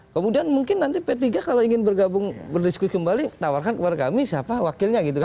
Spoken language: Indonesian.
kemudian mungkin nanti p tiga kalau ingin bergabung berdiskusi kembali tawarkan kepada kami siapa wakilnya gitu kan